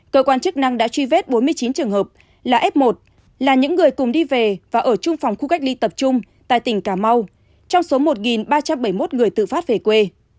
cơ quan chức năng đã truy vết bốn mươi chín trường hợp là f một là những người cùng đi về và ở trung phòng khu cách ly tập trung tại tỉnh cà mau trong số một ba trăm bảy mươi một người tự phát về quê